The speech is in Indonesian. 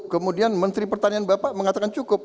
kemudian menteri pertanian bapak mengatakan cukup